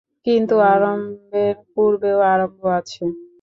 কিন্তু আরম্ভের পূর্বেও আরম্ভ আছে।